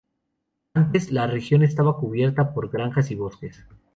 Antes, la región estaba cubierta por granjas y bosques.